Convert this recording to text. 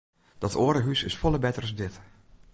Dat oare hús is folle better as dit.